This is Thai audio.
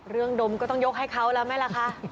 เรื่องดมก็ต้องยกให้เค้าละไหมละค่ะ